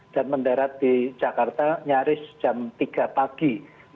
dan mendarat di jakarta nyaris jam tiga pagi